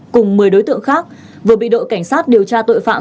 cùng một mươi đối tượng khác vừa bị đội cảnh sát điều tra tội phạm